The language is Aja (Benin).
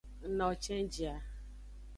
Ng nawo cenji a.